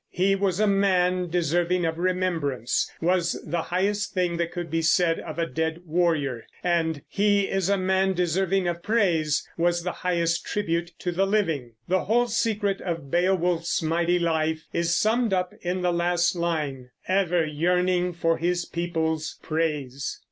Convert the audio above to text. "He was a man deserving of remembrance" was the highest thing that could be said of a dead warrior; and "He is a man deserving of praise" was the highest tribute to the living. The whole secret of Beowulf's mighty life is summed up in the last line, "Ever yearning for his people's praise."